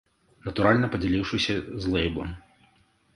Натуральна падзяліўшыся з лэйблам.